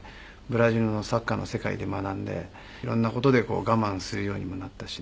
ブラジルのサッカーの世界で学んで色んな事で我慢するようにもなったしね。